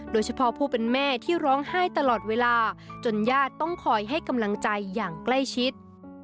โดยเฉพาะผู้เป็นแม่ที่ร้องไห้ตลอดเวลาจนญาติต้องคอยให้กำลังใจอย่างใกล้ชิด